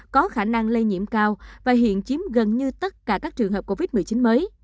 có khả năng lây nhiễm cao và hiện chiếm gần như tất cả các trường hợp covid một mươi chín mới